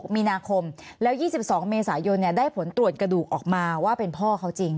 มีนาคมแล้ว๒๒เมษายนได้ผลตรวจกระดูกออกมาว่าเป็นพ่อเขาจริง